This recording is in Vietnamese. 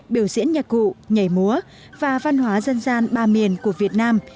biểu diễn nhạc cụ nhảy múa và văn hóa dân gian ba miền của việt nam